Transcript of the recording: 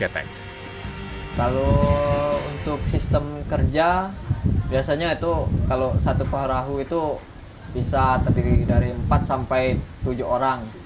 kalau untuk sistem kerja biasanya itu kalau satu perahu itu bisa terdiri dari empat sampai tujuh orang